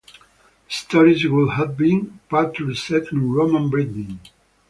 The stories would have been partly set in Roman Britain.